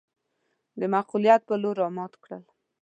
د معقوليت پر لور رامات کړل.